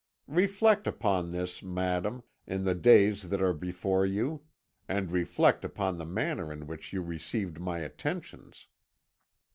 Reflect upon this, madame, in the days that are before you, and reflect upon the manner in which you received my attentions.